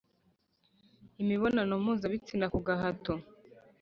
imibonano mpuzabitsina ku gahato